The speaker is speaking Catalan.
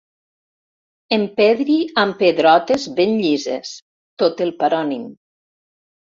Empedri amb pedrotes ben llises, tot el parònim.